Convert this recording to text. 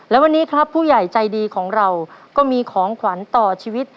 และวันนี้ครับผู้ใหญ่ใจดีของเราก็มีของขวัญต่อชีวิต